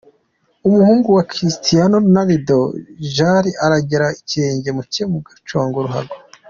umuhungu we Cristiano Ronaldo Jr azagera ikirenge mu cye mu guconga ruhago.